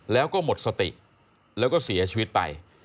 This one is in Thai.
แล้วก็หมดสติแล้วก็เสียชีวิตไป